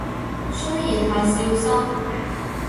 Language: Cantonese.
雖然係少深